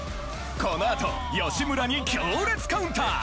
このあと吉村に強烈カウンター！